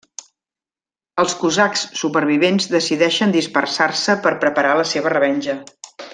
Els Cosacs supervivents decideixen dispersar-se per preparar la seva revenja.